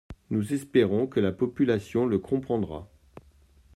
Nous espérons que la population le comprendra.